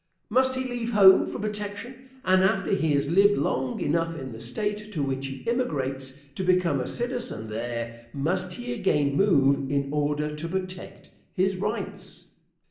Must he leave home for protection, and after he has lived long enough in the State to which he immigrates to become a citizen there, must he again move in order to protect his rights?